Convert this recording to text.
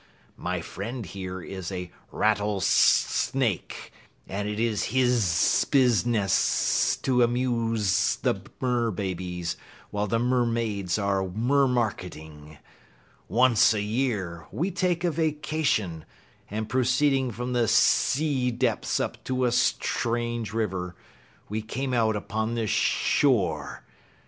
My friend, here, is a Rattlesnake, and it is his business to amuse the Mer babies while the Mermaids are mer marketing. Once a year, we take a vacation, and proceeding from the sea depths up a strange river, we came out upon this shore.